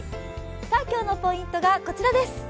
今日のポイントがこちらです。